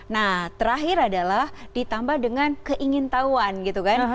nah terakhir adalah ditambah dengan keingin tahuan gitu kan